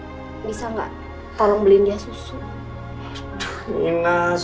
bisa gak tolong beliin dia susu